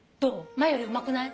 前よりうまくない？